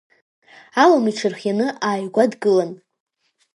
Алым иҽырхианы ааигәа дгылан.